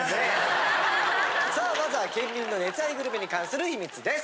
さあまずは県民の熱愛グルメに関する秘密です。